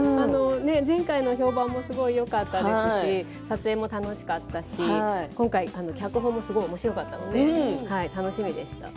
前回の評判もすごくよかったですし撮影も楽しかったし今回、脚本もおもしろかったので楽しみでした。